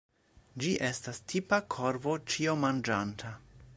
Ĝi estas tipa korvo ĉiomanĝanta.